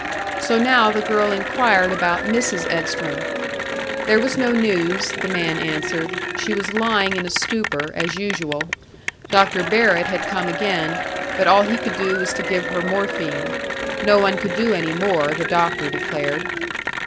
So now the girl inquired about Mrs. Edstrom. There was no news, the man answered; she was lying in a stupor, as usual. Dr. Barrett had come again, but all he could do was to give her morphine. No one could do any more, the doctor declared.